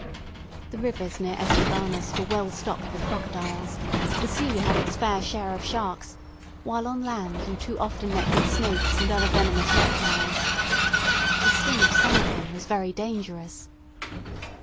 The rivers near Escribanos were well stocked with crocodiles, the sea had its fair share of sharks, while on land you too often met with snakes and other venomous reptiles. The sting of some of them was very dangerous.